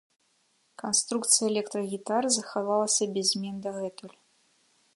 Канструкцыя электрагітары захавалася без змен дагэтуль.